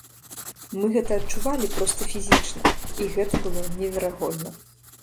Мы гэта адчувалі проста фізічна, і гэта было неверагодна.